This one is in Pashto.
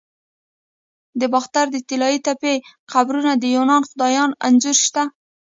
د باختر د طلایی تپې قبرونو کې د یوناني خدایانو انځورونه شته